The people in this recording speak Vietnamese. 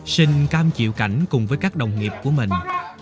sinh cam chịu cảnh cùng với các đồng nghiệp của mình